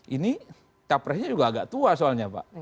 ini capresnya juga agak tua soalnya pak